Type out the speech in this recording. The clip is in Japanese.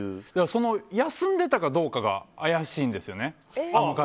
その休んでたかどうかが怪しいんですよね。